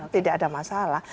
tidak ada masalah